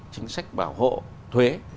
chính sách bảo hộ thuế